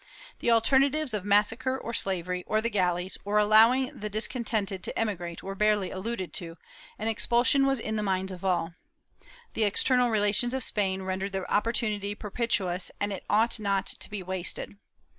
The alter natives of massacre or slavery, or the galleys, or allowing the dis contented to emigrate were barely alluded to, and expulsion was in the minds of all. The external relations of Spain rendered the opportunity propitious and it ought not to be wasted.